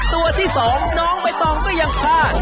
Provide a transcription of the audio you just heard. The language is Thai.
ตัวที่๒น้องใบตองก็ยังพลาด